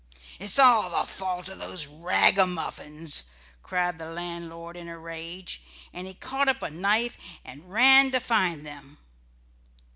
"It is all the fault of those ragamuffins," cried the landlord in a rage, and he caught up a knife and ran to find them.